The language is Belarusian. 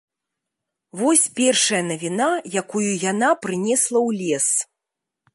Вось першая навіна, якую яна прынесла ў лес.